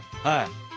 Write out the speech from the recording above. はい。